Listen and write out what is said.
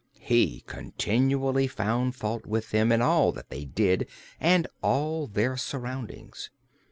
He continually found fault with them, and all that they did, and all their surroundings.